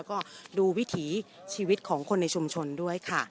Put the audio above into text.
ก็ดูวิถีชีวิตของคนในชุมชนด้วยค่ะ